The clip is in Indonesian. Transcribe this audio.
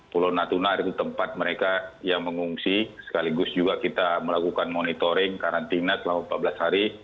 pulau natuna itu tempat mereka yang mengungsi sekaligus juga kita melakukan monitoring karantina selama empat belas hari